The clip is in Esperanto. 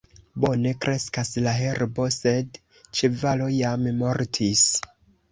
Bone kreskas la herbo, sed ĉevalo jam mortis.